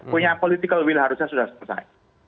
punya political will harusnya sudah selesai